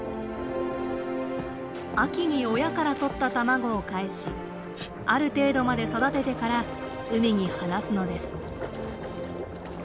秋に親からとった卵をかえしある程度まで育ててから海に放すのです。